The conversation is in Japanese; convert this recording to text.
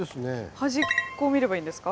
端っこを見ればいいんですか？